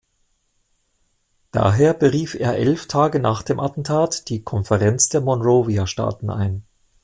Daher berief er elf Tage nach dem Attentat die Konferenz der Monrovia-Staaten ein.